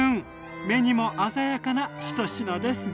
目にも鮮やかな１品ですね。